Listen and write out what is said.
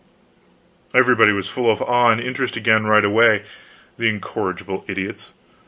Everybody was full of awe and interest again right away, the incorrigible idiots.